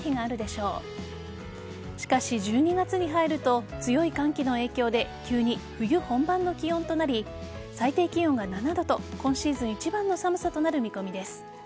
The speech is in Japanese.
しかし、１２月に入ると強い寒気の影響で急に冬本番の気温となり最低気温が７度と今シーズン一番の寒さとなる見込みです。